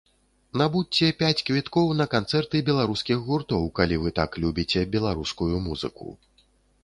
Набудзьце пяць квіткоў на канцэрты беларускіх гуртоў, калі вы так любіце беларускую музыку.